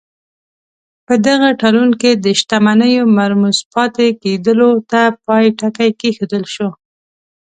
په دغه تړون سره د شتمنیو مرموز پاتې کېدلو ته پای ټکی کېښودل شو.